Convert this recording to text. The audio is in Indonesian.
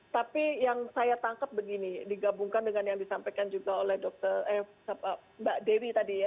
tapi yang saya tangkap begini digabungkan dengan yang disampaikan juga oleh mbak dewi tadi ya